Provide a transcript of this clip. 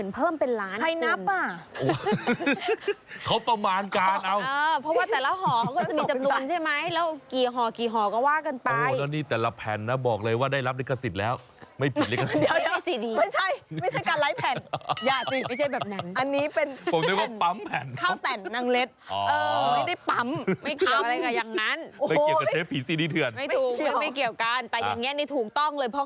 เพิ่มเกินไรเท่าตัวเลยจาก๕๐๐๐๐เพิ่มเป็นล้านคุณใครนับอ่ะ